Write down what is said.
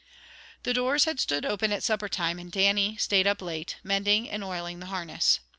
The doors had stood open at supper time, and Dannie staid up late, mending and oiling the harness.